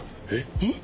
えっ？